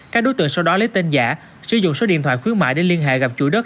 các đối tượng sau đó lấy tên giả sử dụng số điện thoại khuyến mại để liên hệ gặp chủ đất